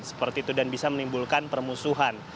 seperti itu dan bisa menimbulkan permusuhan